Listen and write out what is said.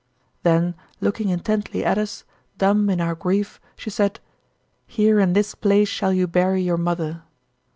Then looking intently at us, dumb in our grief, she said, "Here in this place shall you bury your mother."